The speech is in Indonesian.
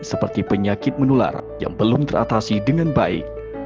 seperti penyakit menular yang belum teratasi dengan baik